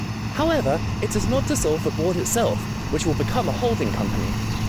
However, it does not dissolve the Board itself, which will become a holding company.